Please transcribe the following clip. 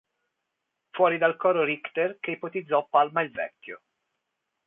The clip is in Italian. Fuori dal coro Richter, che ipotizzò Palma il Vecchio.